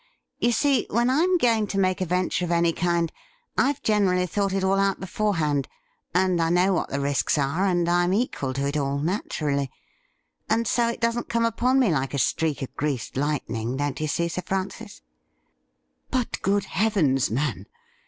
You see, when I'm going to make a venture of any kind, Tvc generally thought it all out beforehand, and I 194 THE RIDDLE RING know what the risks are, and Fm equal to it all, naturally ; and so it doesn't come upon me like a streak of greased lightning, don't you see, Sir Francis ?'' But, good heavens, man